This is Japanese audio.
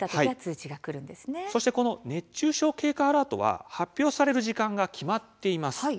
そして、この熱中症警戒アラートは発表される時間が決まっています。